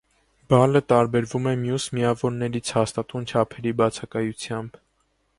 Բալը տարբերվում է մյուս միավորներից հաստատուն չափերի բացակայությամբ։